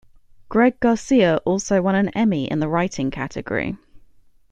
Greg Garcia also won an Emmy in the writing category.